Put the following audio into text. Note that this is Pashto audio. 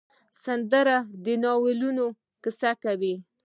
سندره د ناورینونو کیسه کوي